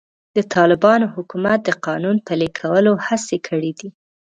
د طالبانو حکومت د قانون پلي کولو هڅې کړې دي.